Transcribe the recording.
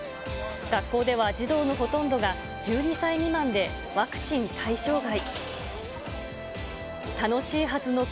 学校では児童のほとんどが１２歳未満でワクチン対象外。